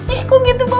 eh kok gitu bu